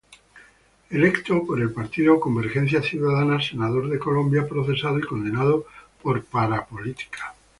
Electo por el Partido Convergencia Ciudadana senador de Colombia procesado y condenado por parapolítica.